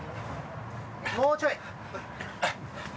もうちょい。